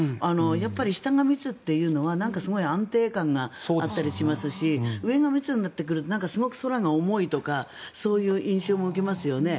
下が密というのはすごい安定感があったりしますし上が密になってくるとすごく空が重いとかそういう印象も受けますよね。